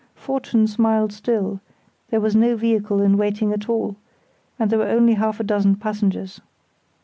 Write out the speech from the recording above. Fortune smiled still; there was no vehicle in waiting at all, and there were only half a dozen passengers.